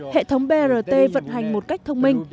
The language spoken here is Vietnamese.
hệ thống brt vận hành một cách thông minh